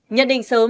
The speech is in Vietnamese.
nhận định sử dụng